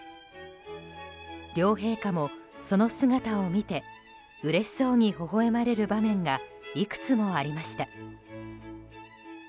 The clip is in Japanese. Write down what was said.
両陛下も、その姿を見てうれしそうにほほ笑まれる場面がいくつもありました。